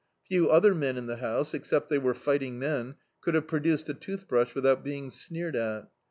Few other men in the house, except they were lighting men, coutd have produced a toothbriish without being sneered at.